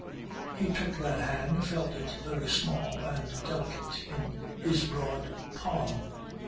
He took that hand, felt it very small and delicate in his broad palm.